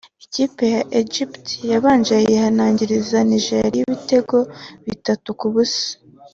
ikipe ya Egypt yabanje yihanangiriza Nigeria ibitego bitatu ku busa